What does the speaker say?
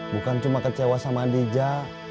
bukan cuma kecewa sama adija